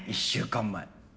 １週間前。